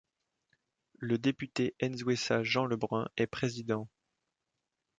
Le Député Nzouessa Jean Lebrun est Président.